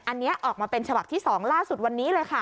อันนี้ออกมาเป็นฉบับที่๒ล่าสุดวันนี้เลยค่ะ